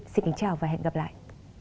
xin chào và hẹn gặp lại